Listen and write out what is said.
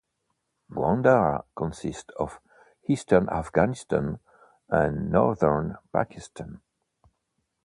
Gandhara consists of eastern Afghanistan and northern Pakistan.